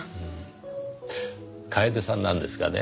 楓さんなんですがね